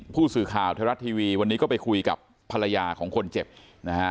ผู้สื่อข่าวไทยรัฐทีวีวันนี้ก็ไปคุยกับภรรยาของคนเจ็บนะฮะ